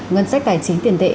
ngân sách tài chính tiền tệ